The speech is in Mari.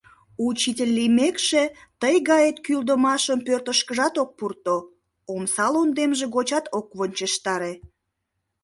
Учитель лиймекше, тый гает кӱлдымашым пӧртышкыжат ок пурто, омса лондемже гочат ок вончыштаре.